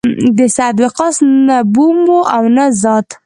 د سعد وقاص نه بوم و او نه زاد.